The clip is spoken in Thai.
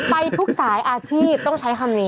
ไปทุกสายอาชีพต้องใช้คำนี้